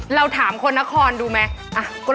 เราถามคนนครดูไหม